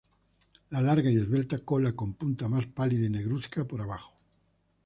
La larga y esbelta cola con puntas más pálidas y negruzca por abajo.